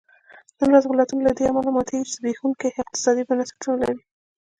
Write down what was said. نن ورځ ملتونه له دې امله ماتېږي چې زبېښونکي اقتصادي بنسټونه لري.